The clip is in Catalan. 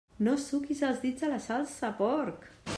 No suquis els dits a la salsa, porc!